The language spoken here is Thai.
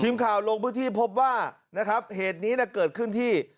ลงพื้นที่พบว่านะครับเหตุนี้เกิดขึ้นที่